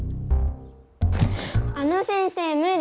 あの先生むり！